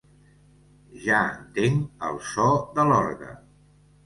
Ja entenc el so de l'orgue!